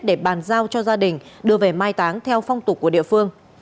để bàn giao cho gia đình đưa về mai táng theo phong tục của địa phương